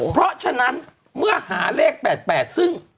เพราะฉะนั้นเมื่อหาเลข๘๘ซึ่ง